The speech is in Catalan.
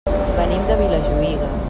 Venim de Vilajuïga.